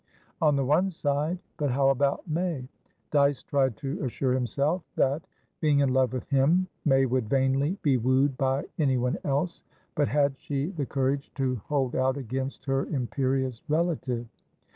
On the one side; but how about May? Dyce tried to assure himself that, being in love with him, May would vainly be wooed by anyone else. But had she the courage to hold out against her imperious relative?